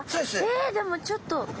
えでもちょっと。